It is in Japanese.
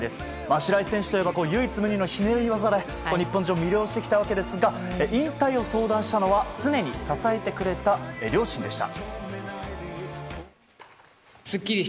白井選手といえば唯一無二のひねり技で日本中を魅了してきたわけですが引退を相談したのは常に支えてくれた両親でした。